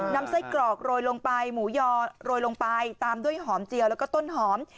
ไส้กรอกโรยลงไปหมูยอโรยลงไปตามด้วยหอมเจียวแล้วก็ต้นหอม